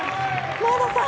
前田さん